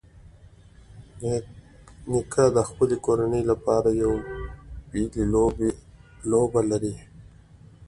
نیکه د خپلې کورنۍ لپاره یو بېلې لوبه لري.